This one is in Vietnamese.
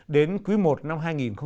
đến quý i năm hai nghìn một mươi tám